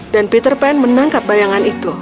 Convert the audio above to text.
dan peter pan menangkap bayangan itu